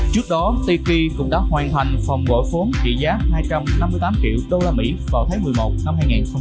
trước đó tiki cũng đã hoàn thành phòng gọi phốn trị giá hai trăm năm mươi tám triệu đô la mỹ vào tháng một mươi một năm hai nghìn hai mươi một